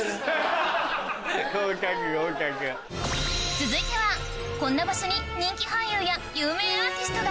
続いてはこんな場所に人気俳優や有名アーティストが！